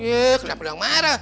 iya kenapa lo yang marah